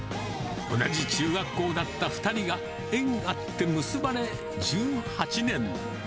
同じ中学校だった２人が、縁あって結ばれ１８年。